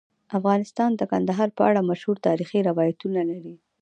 افغانستان د کندهار په اړه مشهور تاریخی روایتونه لري.